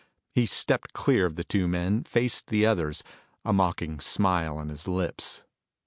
He stepped clear of the two men, faced the others, a mocking smile on his lips.